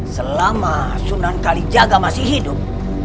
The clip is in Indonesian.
selama sunan kalijaga masih hidup